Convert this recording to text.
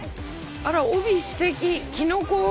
あら帯すてきキノコ帯。